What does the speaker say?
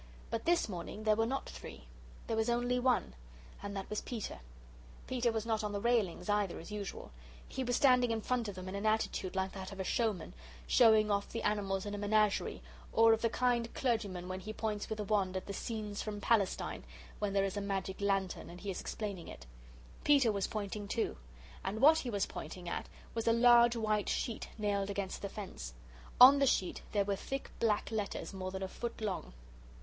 But this morning there were not three. There was only one. And that was Peter. Peter was not on the railings either, as usual. He was standing in front of them in an attitude like that of a show man showing off the animals in a menagerie, or of the kind clergyman when he points with a wand at the 'Scenes from Palestine,' when there is a magic lantern and he is explaining it. Peter was pointing, too. And what he was pointing at was a large white sheet nailed against the fence. On the sheet there were thick black letters more than a foot long.